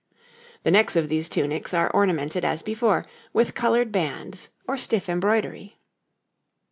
The necks of these tunics are ornamented as before, with coloured bands or stiff embroidery.